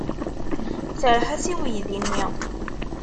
Serreḥ-as i uydi-nni.